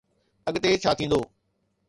اڳتي ڇا ٿيندو؟